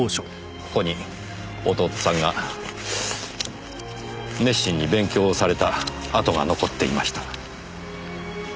ここに弟さんが熱心に勉強された跡が残っていました。